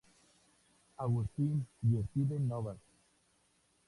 Augustin y Steve Novak.